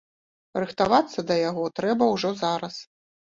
Рыхтавацца да яго трэба ўжо зараз.